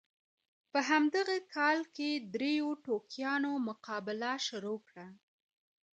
په همدغه کال کې دریو ټوکیانو مقابله شروع کړه.